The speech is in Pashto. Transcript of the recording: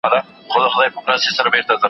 له کوڅه دربي سپي مه بېرېږه.